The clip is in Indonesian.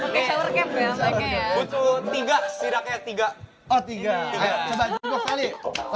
baksa shower cap ya